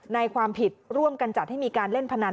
ในความผิดร่วมกันจัดให้มีการเล่นพนัน